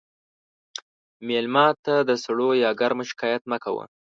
مېلمه ته د سړو یا ګرمو شکایت مه کوه.